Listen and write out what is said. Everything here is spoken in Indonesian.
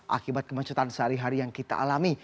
akibat kemacetan sehari hari yang kita alami